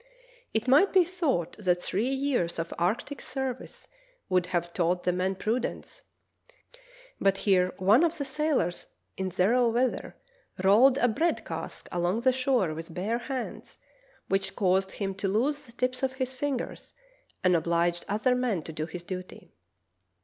It might be thought that three years of arctic service would have taught the men prudence, but here one of the sailors in zero weather rolled a bread cask along the shore with bare hands, which caused him to lose the tips of his fingers and obliged other men to do his duty.